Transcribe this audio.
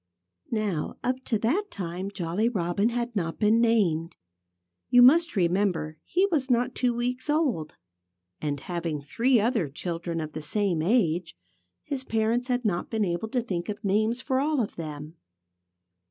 Now, up to that time Jolly Robin had not been named. You must remember that he was not two weeks old. And having three other children of the same age, his parents had not been able to think of names for all of them.